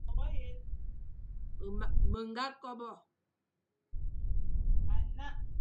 Me ñga kobe,